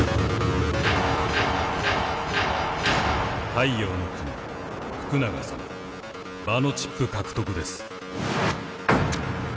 太陽ノ国福永さま場のチップ獲得です。